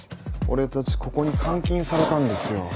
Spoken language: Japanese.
俺たちここに監禁されたんですよ。